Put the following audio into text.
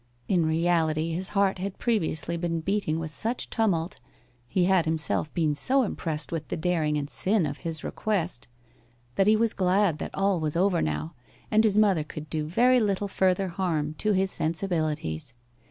In reality his heart had previously been beating with such tumult he had himself been so impressed with the daring and sin of his request that he was glad that all was over now, and his mother could do very little further harm to his sensibilities.